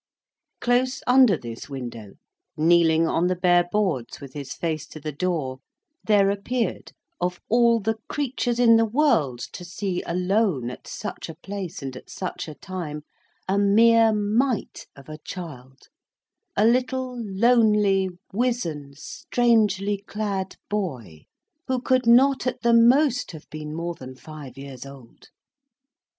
Close under this window, kneeling on the bare boards with his face to the door, there appeared, of all the creatures in the world to see alone at such a place and at such a time, a mere mite of a child—a little, lonely, wizen, strangely clad boy, who could not at the most, have been more than five years old.